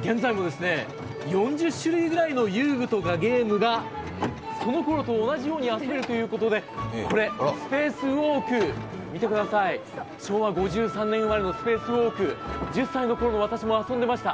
現在も４０種類ぐらいの遊具とかゲームがその頃と同じように遊べるということでこれスペースウォーク、見てください、昭和５３年生まれのスペースウォーク、１０歳のころの私も遊んでいました。